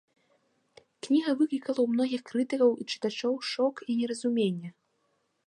Кніга выклікала ў многіх крытыкаў і чытачоў шок і неразуменне.